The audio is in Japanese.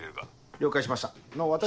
了解しました私。